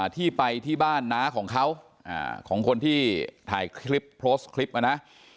ที่ไปที่บ้านน้าของเขาของคนที่ถ่ายคลิปโพสต์คลิปนะ